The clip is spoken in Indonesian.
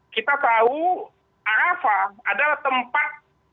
kita tahu arafah adalah tempat